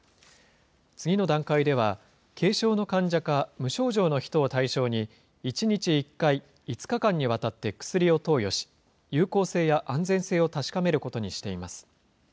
次の段階では、軽症の患者か無症状の人を対象に、１日１回、５日間にわたって薬を投与し、有効性や安全性を確かめることにしています。